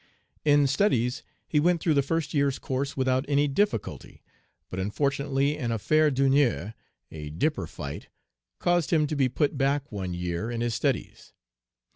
In studies he went through the first year's course without any difficulty, but unfortunately an affaire d'honneur a "dipper fight" caused him to be put back one year in his studies.